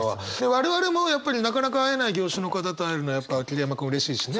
我々もやっぱりなかなか会えない業種の方と会えるのはやっぱ桐山君うれしいしね。